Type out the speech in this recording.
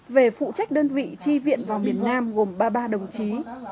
về phụ trách đơn vị tri viện vào miền nam gồm ba ba đồng chí